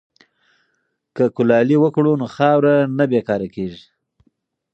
که کلالي وکړو نو خاوره نه بې کاره کیږي.